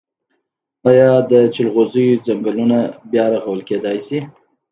آیا د جلغوزیو ځنګلونه بیا رغول کیدی شي؟